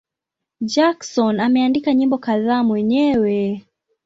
Jackson ameandika nyimbo kadhaa mwenyewe.